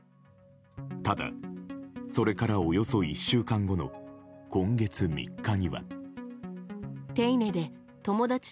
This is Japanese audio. ただ、それからおよそ１週間後の今月３日には。